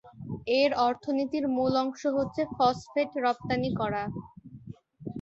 এর অর্থনীতির মূল অংশ হচ্ছে ফসফেট রপ্তানি করা।